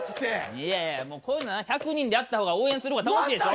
いやいやもうこういうのは１００人でやった方が応援する方が楽しいでしょ？